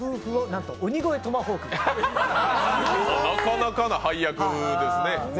なかなかな配役ですね。